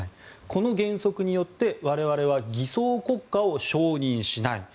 この原則によって我々は偽装国家を承認しない。